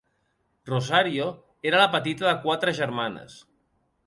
Rosario era la petita de quatre germanes.